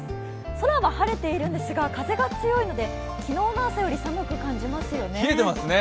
空は晴れているんですが風が強いので昨日の朝より寒く感じますね。